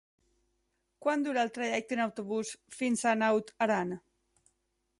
Quant dura el trajecte en autobús fins a Naut Aran?